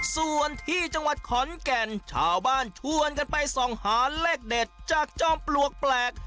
ส่วนที่จังหวัดขอนแก่นชาวบ้านชวนกันไปส่องหาเลขเด็ดจากจอมปลวกแปลก